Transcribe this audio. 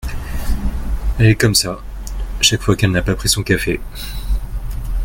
Elle est comme ça, chaque fois qu’elle n’a pas pris son café !